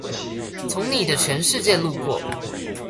從你的全世界路過